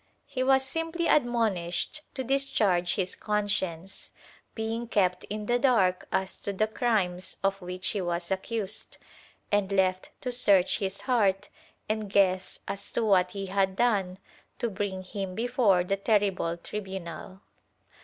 He was simply admonished to discharge his conscience, being kept in the dark as to the crimes of which he was accused, and left to search his heart and guess as to what he had done to bring him before the terrible tribunal.